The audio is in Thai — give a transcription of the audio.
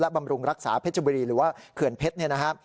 และบำรุงรักษาเพชรบุรีหรือว่าเขื่อนเพชร